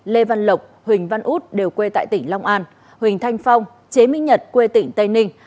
lê văn lộc huỳnh văn út đều quê tại tỉnh long an huỳnh thanh phong chế minh nhật quê tỉnh tây ninh